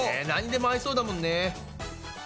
なんにでも合いそうだもんね。